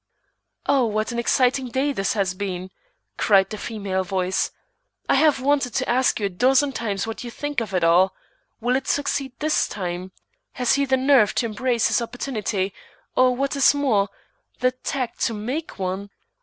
"Oh, what an exciting day this has been!" cried the female voice. "I have wanted to ask you a dozen times what you think of it all. Will he succeed this time? Has he the nerve to embrace his opportunity, or what is more, the tact to make one?